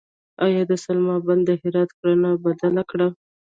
آیا د سلما بند د هرات کرنه بدله کړه؟